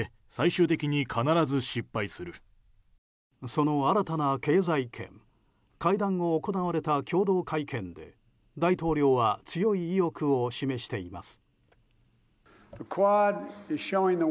その新たな経済圏会談後行われた共同会見で大統領は強い意欲を示しています。